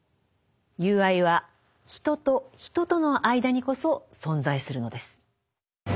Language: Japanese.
友愛は人と人との間にこそ存在するのです。